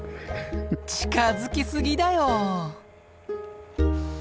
近づき過ぎだよ！